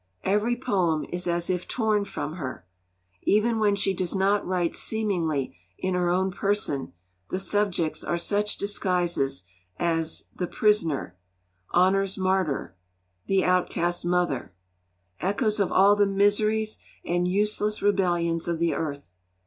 Every poem is as if torn from her. Even when she does not write seemingly in her own person, the subjects are such disguises as 'The Prisoner,' 'Honour's Martyr,' 'The Outcast Mother,' echoes of all the miseries and useless rebellions of the earth.